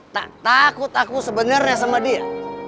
tak takut aku sebenarnya sama dia